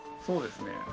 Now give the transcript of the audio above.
そうですね。